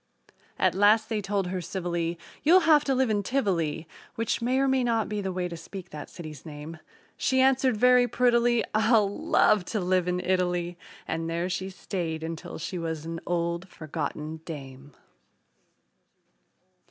At last they told her civilly, "You'll have to live in Tivoli" (Which may or may not be the way to speak that city's name). She answered very prettily: "I'll love to live in Italy" And there she stayed until she was an old, forgotten dame.